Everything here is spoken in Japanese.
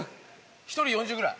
１人４０ぐらい。